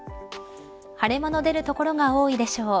晴れ間の出る所が多いでしょう。